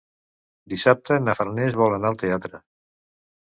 Dissabte na Farners vol anar al teatre.